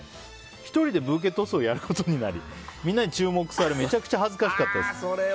１人でブーケトスをやることになりみんなに注目されめちゃめちゃ恥ずかしかったです。